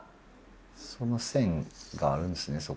その線があるんですね。